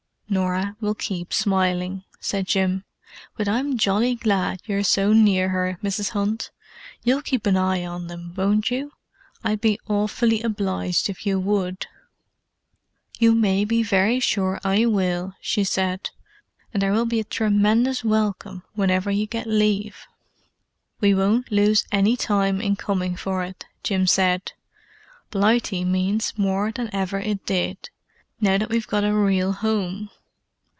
"Norah will keep smiling," said Jim. "But I'm jolly glad you're so near her, Mrs. Hunt. You'll keep an eye on them, won't you? I'd be awfully obliged if you would." "You may be very sure I will," she said. "And there will be a tremendous welcome whenever you get leave." "We won't lose any time in coming for it," Jim said. "Blighty means more than ever it did, now that we've got a real home.